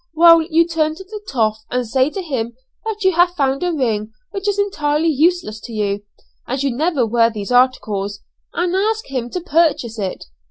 Well, you turn to the 'toff' and say to him that you have found a ring which is entirely useless to you, as you never wear these articles, and ask him to purchase it.